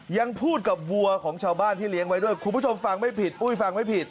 ยังพูดกับวัวของชาวบ้านที่เลี้ยงไว้ด้วยคุณผู้ชมฟังไม่ผิดอุ้ยฟังไม่ผิด